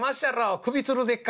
『首吊る』でっか？」。